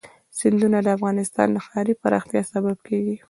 سیندونه د افغانستان د ښاري پراختیا سبب کېږي.